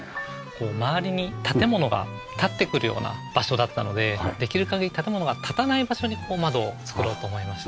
周りに建物が建ってくるような場所だったのでできる限り建物が建たない場所に窓を作ろうと思いまして。